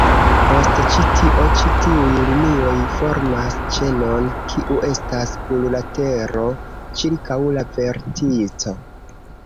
Post ĉi tio, ĉi tiuj linioj formas ĉenon, kiu estas plurlatero, ĉirkaŭ la vertico.